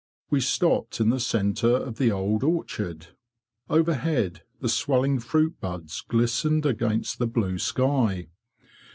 We stopped in the centre of the old orchard. Overhead the swelling fruit buds glistened against the blue sky.